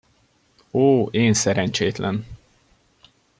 Ó, én szerencsétlen!